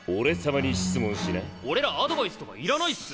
俺らアドバイスとかいらないっす。